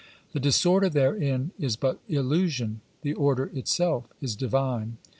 ^ The dis order therein is but illusion, the order itself is divine.